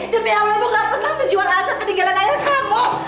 demi allah ibu gak pernah menunjukkan rasa peringatan saya ke kamu